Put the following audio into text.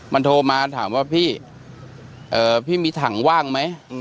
มันโทรมาถามว่าพี่พี่มีถังว่างไหม